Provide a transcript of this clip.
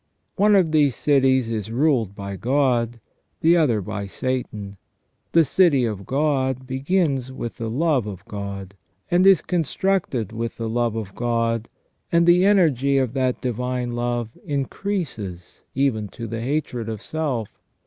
One of these cities is ruled by God, the other by Satan, The City of God begins from the love of God, and is constructed with the love of God, and the energy of that divine love increases, even to the hatred of self.